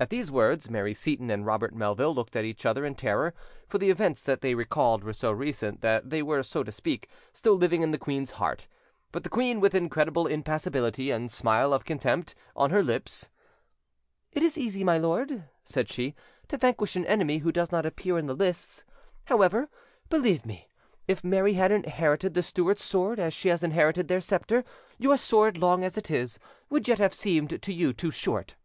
At these words, Mary Seyton and Robert Melville looked at each other in terror, for the events that they recalled were so recent that they were, so to speak, still living in the queen's heart; but the queen, with incredible impassibility and a smile of contempt on her lips— "It is easy, my lord," said she, "to vanquish an enemy who does not appear in the lists; however, believe me, if Mary had inherited the Stuarts' sword as she has inherited their sceptre, your sword, long as it is, would yet have seemed to you too short.